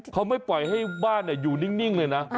เขาไม่ปล่อยให้บ้านอยู่นิ่งเลยนะ